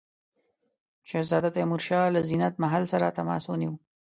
شهزاده تیمورشاه له زینت محل سره تماس ونیو.